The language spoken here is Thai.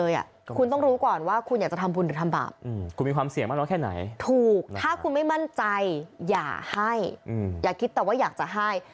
อยากให้อยากคิดแต่ว่าอยากจะให้